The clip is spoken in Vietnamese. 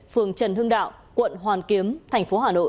phường trần hưng đạo quận hoàn kiếm thành phố hà nội